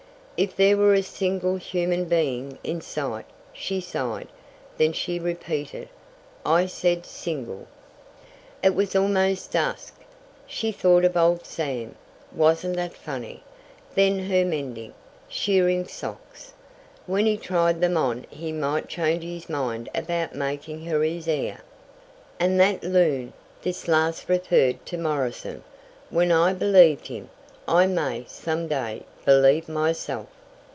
"If there were a single human being in sight," she sighed. Then she repeated, "I said 'single.'" It was almost dusk. She thought of old Sam. Wasn't that funny! Then of her mending shirring socks! When he tried them on he might change his mind about making her his heir. "And that loon!" This last referred to Morrison. "When I believed him, I may, some day, believe myself!"